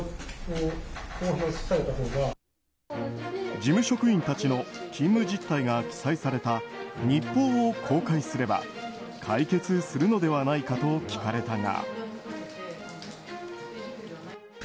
事務職員たちの勤務実態が記載された日報を公開すれば解決するのではないかと聞かれたが。